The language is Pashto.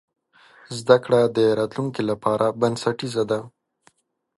زده کړه د راتلونکي لپاره بنسټیزه ده.